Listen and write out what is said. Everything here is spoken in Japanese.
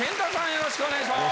よろしくお願いします。